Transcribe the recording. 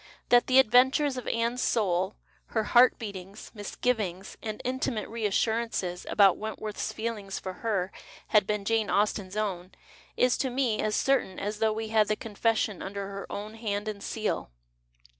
That the adventures of Aime's soul, her heart beatings, misgivings and intimate reassurances about Wentworth's feeling for her had been Jane Austen's own is to me as certain as though we had the con fession under her own hand and seal.